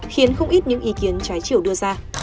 khiến không ít những ý kiến trái chiều đưa ra